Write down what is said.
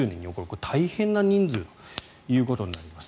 これは大変な人数ということになります。